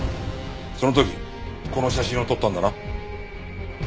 その時この写真を撮ったんだな？